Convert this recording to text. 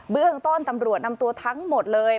เบื้องต้นตำรวจนำตัวทั้งหมดเลย